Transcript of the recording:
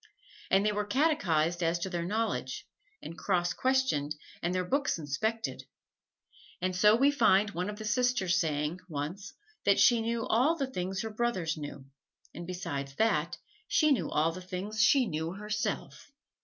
And they were catechized as to their knowledge, and cross questioned and their books inspected; and so we find one of the sisters saying, once, that she knew all the things her brothers knew, and besides that she knew all the things she knew herself.